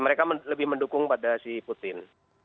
mereka lebih mendukung pada si putin